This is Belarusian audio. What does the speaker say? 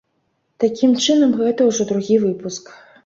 Такім чынам гэта ўжо другі выпуск.